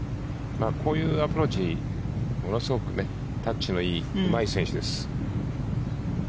こういうアプローチものすごいタッチのいいうまい選手です。